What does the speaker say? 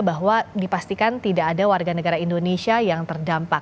bahwa dipastikan tidak ada warga negara indonesia yang terdampak